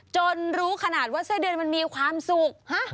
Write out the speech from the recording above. จนรู้ขนาดว่าไส้เดือนมันมีความสุข